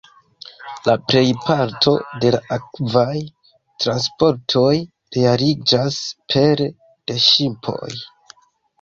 La plej parto de la akvaj transportoj realiĝas pere de ŝipoj.